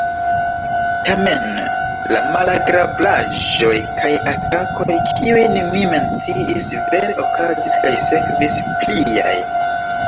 Tamen la malagrablaĵoj kaj atakoj, kiujn mi menciis, vere okazis – kaj sekvis pliaj.